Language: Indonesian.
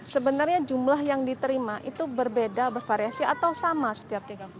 sebenarnya jumlah yang diterima itu berbeda bervariasi atau sama setiap tiga bulan